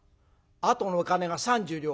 あとの金が３０両。